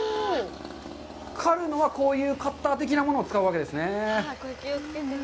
刈るのは、こういうカッター的なものを使うんですね。